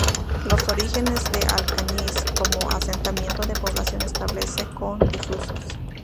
Los orígenes de Alcañiz como asentamiento de población estable son difusos.